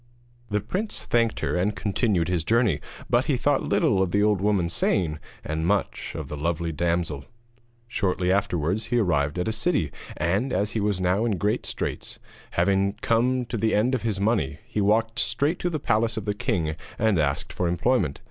The prince thanked her and continued his journey, but he thought little of the old woman's saying, and much of the lovely damsel. Shortly afterwards he arrived at a city; and, as he was now in great straits, having come to the end of his money, he walked straight to the palace of the king and asked for employment.